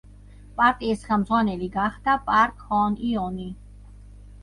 პარტიის ხელმძღვანელი გახდა პარკ ჰონ იონი.